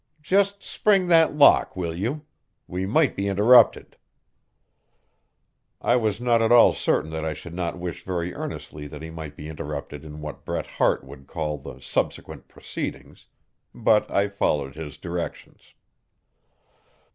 Just spring that lock, will you? We might be interrupted." I was not at all certain that I should not wish very earnestly that he might be interrupted in what Bret Harte would call the "subsequent proceedings." But I followed his directions.